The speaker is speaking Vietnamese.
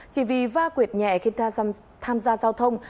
chỉ vì va quyệt nhẹ khiến ta tham gia giao thông